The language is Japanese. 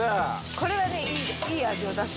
これがいい味を出す。